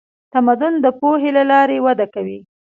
تمدن د پوهې له لارې وده کوي.